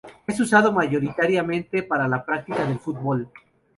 Es usado mayoritariamente para la práctica del Fútbol.